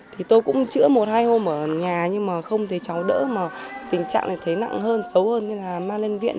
thì tôi cũng chữa một hai hôm ở nhà nhưng mà không thấy cháu đỡ mà tình trạng này thấy nặng hơn xấu hơn